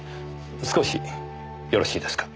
少しよろしいですか。